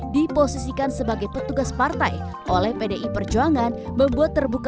di posisi kekuasaan dan kekuasaan yang berbeda